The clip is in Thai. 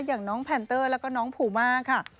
อย่างน้องแพนเตอร์แล้วก็น้องภูมาค่ะ